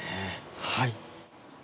はい。